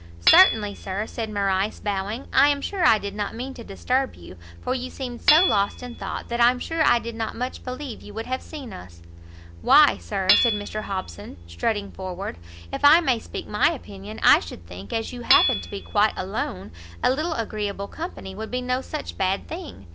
"Certainly, Sir," said Morrice, bowing; "I am sure I did not mean to disturb you; for you seemed so lost in thought, that I'm sure I did not much believe you would have seen us." "Why Sir," said Mr Hobson, strutting forward, "if I may speak my opinion, I should think, as you happen to be quite alone, a little agreeable company would be no such bad thing.